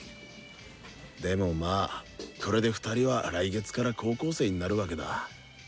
でもまあこれで２人は来月から高校生になるわけだ。